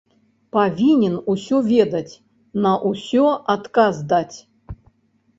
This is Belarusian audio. Павінен усё ведаць, на ўсё адказ даць.